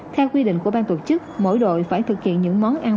theo quy định của bang tổ chức mỗi đội phải thực hiện những món ăn